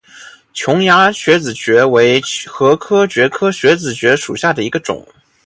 琼崖穴子蕨为禾叶蕨科穴子蕨属下的一个种。